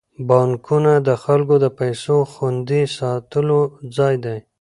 بانکونه د خلکو د پيسو خوندي ساتلو ځای دی.